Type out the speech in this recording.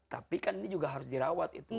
tapi kan ini juga harus dirawat itu